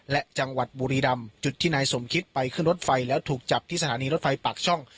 และจังหวัดบุรีรำจุดที่นายสมคิดไปขึ้นรถไฟแล้วถูกจับที่สถานีรถไฟปากช่อง